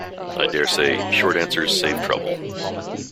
I dare say; short answers save trouble.